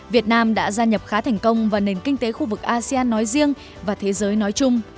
việt nam đã gia nhập khá thành công vào nền kinh tế khu vực asean nói riêng và thế giới nói chung